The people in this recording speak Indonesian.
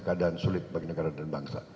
keadaan sulit bagi negara dan bangsa